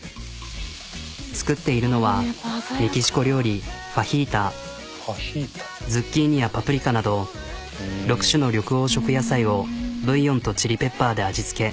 作っているのはズッキーニやパプリカなど６種の緑黄色野菜をブイヨンとチリペッパーで味つけ。